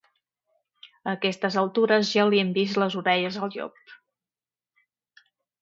A aquestes altures ja li hem vist les orelles al llop.